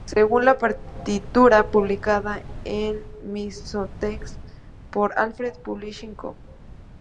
Según la partitura publicada en Musicnotes.com por Alfred Publishing Co.